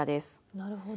なるほど。